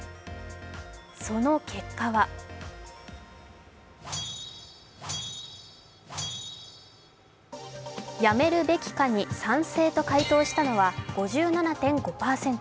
その結果は辞めるべきかに賛成と回答したのは５７．５％。